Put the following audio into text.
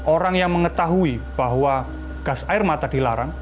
orang yang mengetahui bahwa gas air mata dilarang